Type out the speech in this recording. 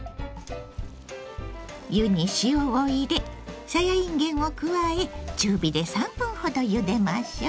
湯に塩を入れさやいんげんを加え中火で３分ほどゆでましょう。